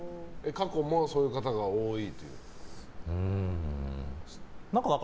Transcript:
過去もそういう方が多いですか。